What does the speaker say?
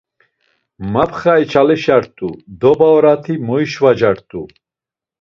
Mapxa içalişart̆u, doba orati moişvacart̆u.